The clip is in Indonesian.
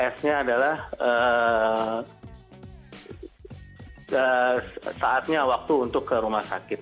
s nya adalah saatnya waktu untuk ke rumah sakit